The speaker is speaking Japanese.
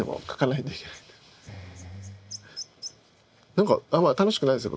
何かあんま楽しくないですよ